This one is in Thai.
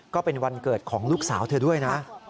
ก็เป็นวันเกิดของลูกสาวเธอด้วยนะ